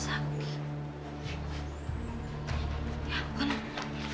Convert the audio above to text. jadi itu perusahaannya sakti